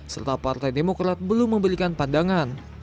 serta partai demokrat belum memberikan pandangan